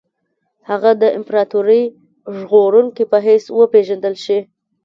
هغه د امپراطوري ژغورونکي په حیث وپېژندل شي.